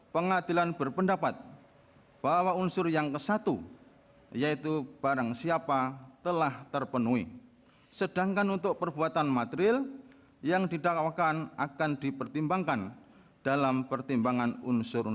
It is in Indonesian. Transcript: kepulauan seribu kepulauan seribu